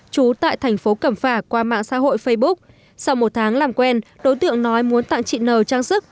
trú tại thành phố cẩm phả qua mạng xã hội facebook sau một tháng làm quen đối tượng nói muốn tặng chị nờ trang sức